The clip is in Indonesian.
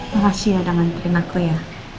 makasih ya jangan pilih naku ya